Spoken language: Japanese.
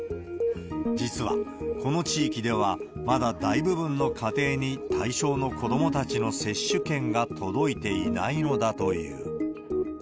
実はこの地域では、まだ大部分の家庭に、対象の子どもたちの接種券が届いていないのだという。